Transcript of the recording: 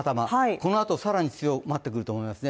このあと更に強まってくると思いますね。